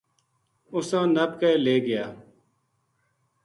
اُساں نپ کے لے گیا